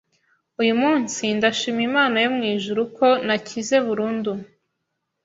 Uyu munsi ndashima Imana yo mu ijuru ko nakize burundu